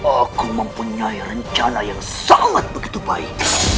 aku mempunyai rencana yang sangat begitu baik